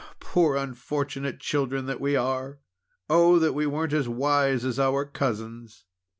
poor, unfortunate children that we are! Oh! that we were as wise as our cousins!"